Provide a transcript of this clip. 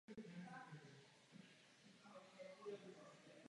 Taktéž bylo nutno výrazně snížit stravovací dávky.